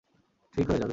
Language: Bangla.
ঠিক হয়ে যাবে।